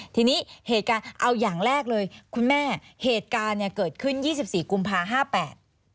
ทีนี้เอาอย่างแรกเลยคุณแม่เหตุการณ์เนี่ยเกิดขึ้น๒๔กุมภาคม๕๘